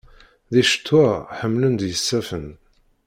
Di ccetwa, ḥemmlen-d yisaffen.